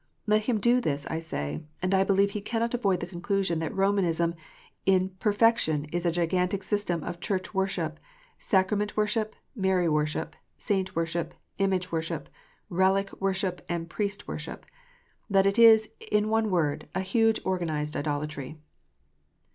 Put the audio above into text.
Let him do this, I say, and I believe he cannot avoid the conclusion that Romanism in perfection is a gigantic system of Church worship, sacrament worship, Mary worship, saint worship, image worship, relic worship, and priest worship, that it is, in one word, a huge organized idolatry.